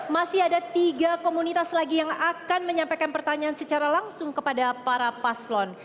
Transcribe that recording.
masih ada tiga komunitas lagi yang akan menyampaikan pertanyaan secara langsung kepada para paslon